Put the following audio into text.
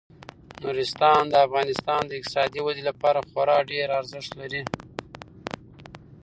نورستان د افغانستان د اقتصادي ودې لپاره خورا ډیر ارزښت لري.